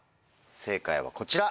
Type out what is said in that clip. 正解はこちら！